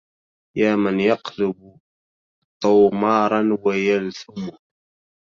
يا من يقلب طومارا ويلثمه